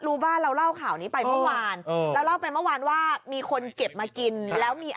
รังโกขาวกินได้เห็ดรังโกหินกินไม่ได้